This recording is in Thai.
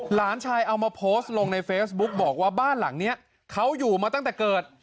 หลานชายเอามาโพสต์ลงในเฟซบุ๊กบอกว่าบ้านหลังนี้เขาอยู่มาตั้งแต่เกิด